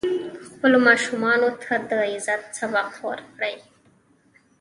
خپلو ماشومانو ته د عزت سبق ورکړئ.